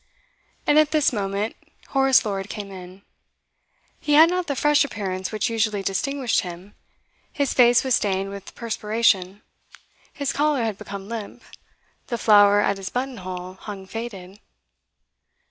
And at this moment Horace Lord came in. He had not the fresh appearance which usually distinguished him; his face was stained with perspiration, his collar had become limp, the flower at his buttonhole hung faded.